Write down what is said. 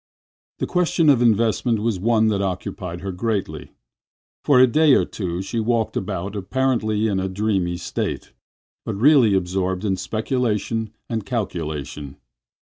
The question of investment was one that occupied her greatly. For a day or two she walked about apparently in a dreamy state, but really absorbed in speculation and calculation.